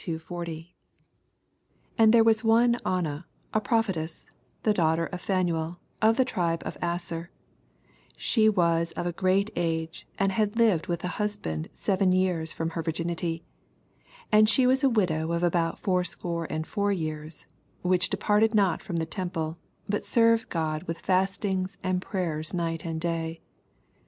86—40. 86 And there was one Anna, a T>ro pheteee, the daughter of Phimael, of the tribe of Aeer : ehe was of a sreat age, and had lived with an husoand seven years from her virrinity ; 87 And she wu a widow of about fonr Boore and four years, which de parted not fVom the temple, but served God with &Btings and prayers night and day.